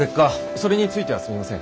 それについてはすみません。